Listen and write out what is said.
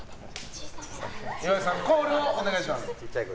岩井さん、コールお願いします。